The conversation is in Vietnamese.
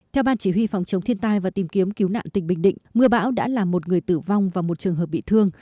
theo ban chỉ huy phòng chống thiên tai và tìm kiếm cứu nạn tỉnh bình định mưa bão đã làm một người tử vong và một trường hợp bị thương